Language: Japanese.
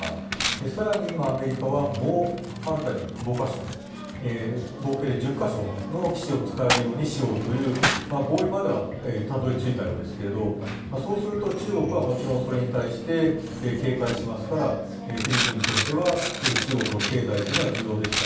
更に今、アメリカは新たに５か所合計で１０か所の基地を使えるようにしようという合意まではたどり着いたようですがそうすると、中国はもちろんそれに対して警戒しますからフィリピンとしては中国の経済というのは重要ですから